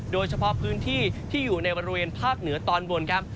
โดยเฉพาะพื้นที่ที่อยู่ในบริเวณภาคเหนือตอนบนครับ